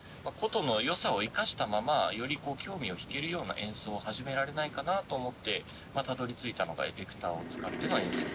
箏のよさを生かしたままより興味を引けるような演奏を始められないかなと思ってたどりついたのがエフェクターを使っての演奏。